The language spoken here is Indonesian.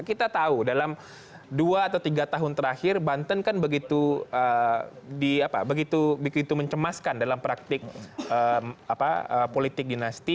kita tahu dalam dua atau tiga tahun terakhir banten kan begitu mencemaskan dalam praktik politik dinasti